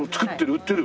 売ってる？